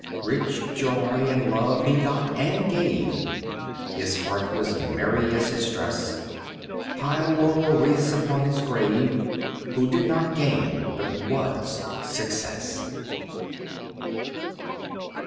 Rich joy and love he got and gave; His heart was merry as his dress; Pile laurel wreaths upon his grave Who did not gain, but was, success!